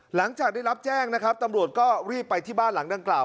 หลังจากได้รับแจ้งนะครับตำรวจก็รีบไปที่บ้านหลังดังกล่าว